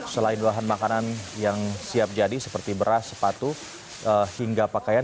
selain bahan makanan yang siap jadi seperti beras sepatu hingga pakaian